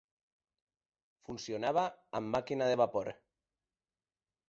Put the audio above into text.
Funcionava amb màquina de vapor.